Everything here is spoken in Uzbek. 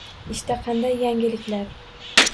Ishda qanday yangiliklar